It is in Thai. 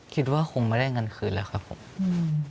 คิดว่าคงไม่ได้เงินคืนแล้วครับผมอืม